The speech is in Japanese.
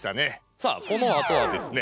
さあこのあとはですね